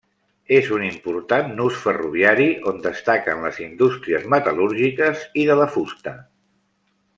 És un important nus ferroviari, on destaquen les indústries metal·lúrgiques i de la fusta.